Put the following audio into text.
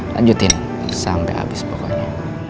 lanjutin sampai habis pokoknya